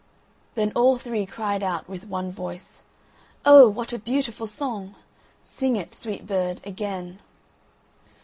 Then all three cried out with one voice: "Oh, what a beautiful song! Sing it, sweet bird, again."